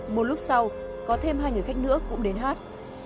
một lúc sau có thêm hai người khách nữa cũng đến hát